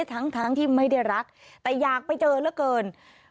ทั้งที่ไม่ได้รักแต่อยากไปเจอเหลือเกิน